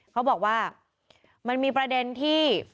เขาบอกว่ามันมีประเด็นที่